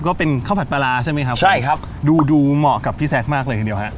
ก็เป็นข้าวผัดปลาร้าใช่ไหมครับใช่ครับดูดูเหมาะกับพี่แซคมากเลยทีเดียวฮะ